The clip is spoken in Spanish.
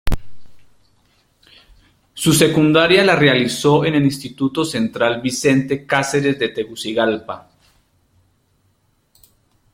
Su secundaria la realizó en el Instituto Central Vicente Cáceres de Tegucigalpa.